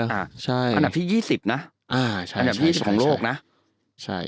อ่าใช่ขนาดที่ยี่สิบน่ะอ่าใช่ขนาดที่ยี่สิบของโลกน่ะใช่